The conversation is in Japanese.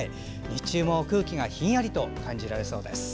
日中も空気がひんやりと感じられそうです。